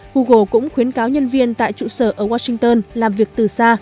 google cũng khuyến cáo nhân viên tại trụ sở ở washington làm việc từ xa